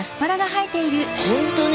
本当に？